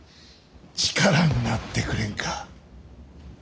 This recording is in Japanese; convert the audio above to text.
力になってくれんか。